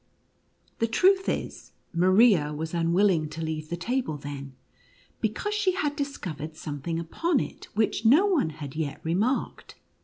The trutli is, Maria was unwilling to leave the table then, because she had discovered some thing upon it, which no one had yet remarked.